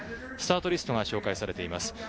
スタートリストが紹介されています。